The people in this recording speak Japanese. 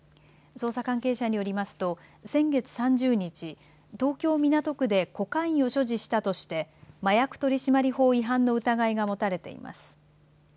捜査関係者によりますと先月３０日東京・港区でコカインを所持したとして麻薬取締法違反の疑いが持たれています。